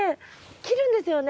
切るんですよね？